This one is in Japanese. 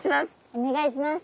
お願いします。